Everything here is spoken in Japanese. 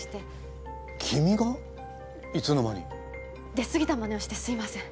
出過ぎたマネをしてすいません。